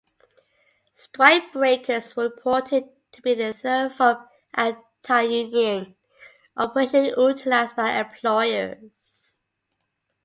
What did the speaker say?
Strikebreakers were reported to be the third form of anti-union oppression utilized by employers.